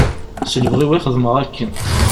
S lebɣi-w i xedmeɣ akken.